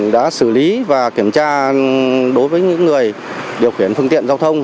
đã xử lý và kiểm tra đối với những người điều khiển phương tiện giao thông